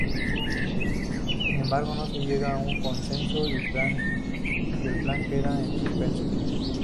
Sin embargo no se llega a un consenso y el plan queda en suspenso.